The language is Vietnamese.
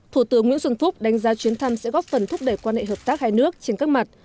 thủ tướng nguyễn xuân phúc đánh giá chuyến thăm sẽ góp phần thúc đẩy quan hệ hợp tác hai nước trên các mặt